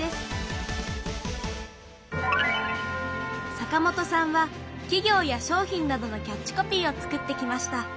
坂本さんは企業や商品などのキャッチコピーを作ってきました。